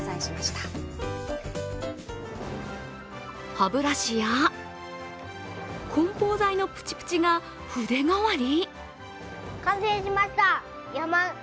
歯ブラシや梱包材のプチプチが筆代わり？